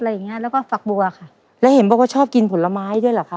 อย่างเงี้ยแล้วก็ฟักบัวค่ะแล้วเห็นบอกว่าชอบกินผลไม้ด้วยเหรอคะ